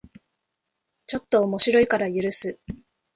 ちょっと面白いから許す